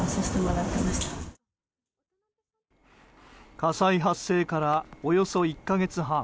火災発生からおよそ１か月半。